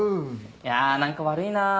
いや何か悪いなぁ。